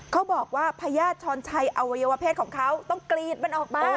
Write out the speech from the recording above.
เขาบอกว่าพญาติช้อนชัยอวัยวเพศของเขาต้องกรีดมันออกมา